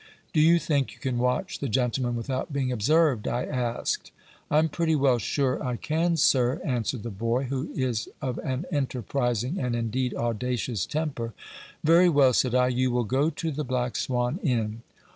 "Do you think you can watch the gentleman without being observed?" I asked. "I'm pretty well sure I can, sir," answered the boy, who is of an enterprising, and indeed audacious, temper. "Very well," said I, "you will go to the Black Swan Inn.